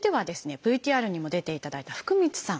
ＶＴＲにも出ていただいた福満さん。